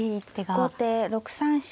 後手６三飛車。